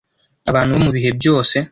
abantu bo mu bihe byose